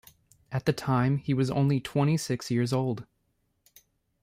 At the time he was only twenty-six years old.